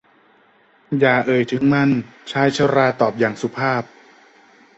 อย่าเอ่ยถึงมัน ชายชรา ฉันตอบอย่างสุภาพ